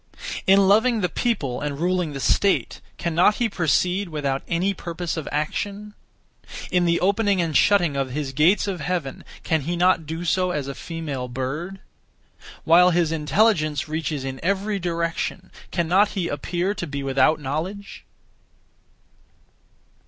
In loving the people and ruling the state, cannot he proceed without any (purpose of) action? In the opening and shutting of his gates of heaven, cannot he do so as a female bird? While his intelligence reaches in every direction, cannot he (appear to) be without knowledge?